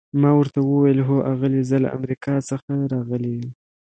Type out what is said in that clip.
ما ورته وویل: هو آغلې، زه له امریکا څخه راغلی یم.